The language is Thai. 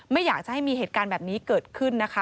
ไม่อยากจะให้มีเหตุการณ์แบบนี้เกิดขึ้นนะคะ